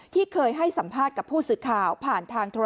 ที่เคยให้สัมภาษณ์กับผู้สื่อข่าวผ่านทางโทรศ